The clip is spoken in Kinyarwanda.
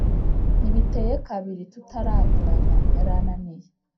ntibiteye kabiri tutaranduranya yarananiye